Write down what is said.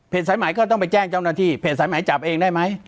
สายใหม่ก็ต้องไปแจ้งเจ้าหน้าที่เพจสายหมายจับเองได้ไหม